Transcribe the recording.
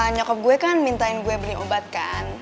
nyokap gue kan minta gue beli obat kan